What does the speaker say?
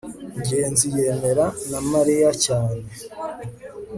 ngenzi yemeye na mariya cyane